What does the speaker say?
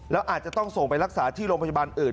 แล้วอาจจะต้องส่งไปรักษาที่โรงพยาบาลอื่น